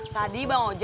tadi bang ojak